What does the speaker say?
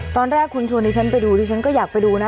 ตอนแรกคุณชวนดิฉันไปดูดิฉันก็อยากไปดูนะ